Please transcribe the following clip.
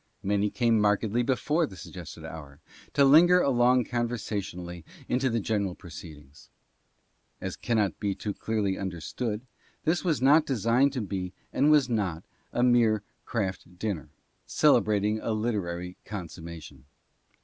Many came markedly before the suggested hour, to linger along conversationally into the general proceed ings. As cannot be too clearly understood, this was not designed to be, and was not, a mere craft dinner, celebrating a literary 10 "RECORDERS AGES HENCE." consummation.